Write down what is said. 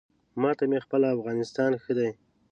ما ته مې خپل افغانستان ښه دی